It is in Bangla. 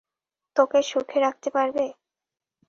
তোকে কি সুখে রাখতে পারবে?